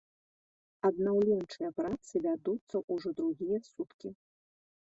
Аднаўленчыя працы вядуцца ўжо другія суткі.